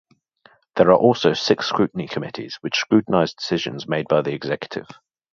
There are also six scrutiny committees which scrutinize decisions made by the executive.